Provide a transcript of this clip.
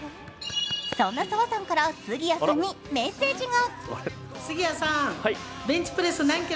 そんな澤さんから、杉谷さんにメッセージが。